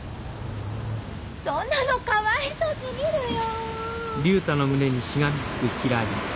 そんなのかわいそすぎるよ。